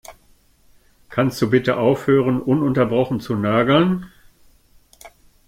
Kannst du bitte aufhören, ununterbrochen zu nörgeln?